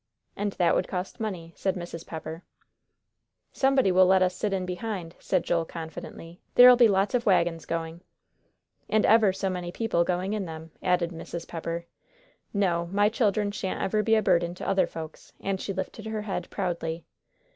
"And that would cost money," said Mrs. Pepper. "Somebody will let us sit in behind," said Joel, confidently; "there'll be lots of wagons goin'." "And ever so many people going in them," added Mrs. Pepper. "No, my children shan't ever be a burden to other folks," and she lifted her head proudly.